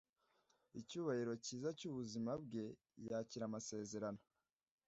Icyubahiro cyiza cyubuzima bwe yakira amasezerano